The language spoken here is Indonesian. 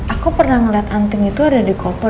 aku pernah ngeliat anting itu ada di koper